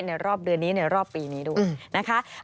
รอบเดือนนี้ในรอบปีนี้ด้วยนะคะ